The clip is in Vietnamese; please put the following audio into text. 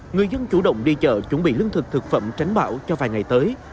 người dân chủ động đi chợ chuẩn bị lương thực thực phẩm tránh bão cho vài ngày tới